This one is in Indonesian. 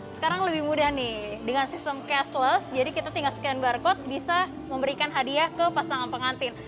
sekarang lebih mudah nih dengan sistem cashless jadi kita tinggal scan barcode bisa memberikan hadiah ke pasangan pengantin